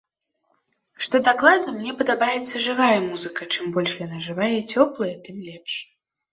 Што дакладна, мне падабаецца жывая музыка, чым больш яна жывая і цёплая, тым лепш.